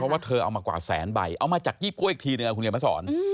เพราะว่าเธอเอามากว่าแสนใบเอามาจากยี่ปัวอีกทีนะครับคุณเรียนพระสร